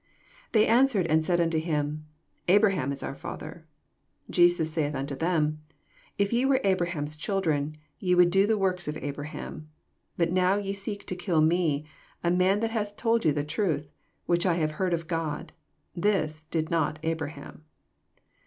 39 They answered and said unto him, Abraham is our father. Jesus saith unto them, If ye were Abraham'! children, ye would do the works of Abraham. 40 But now ye seek to kill me, a man that hath told you the truth, which I have heard of God: Hua did not Abraham.